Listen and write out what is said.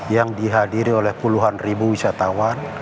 yang dihadiri oleh puluhan ribu wisatawan